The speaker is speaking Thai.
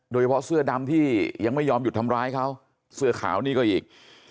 โดยเฉพาะเสื้อดำที่ยังไม่ยอมหยุดทำร้ายเขาเสื้อขาวนี่ก็อีก